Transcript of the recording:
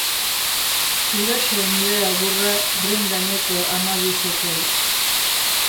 Huraxe nire agurra ring gaineko hamabi sokei.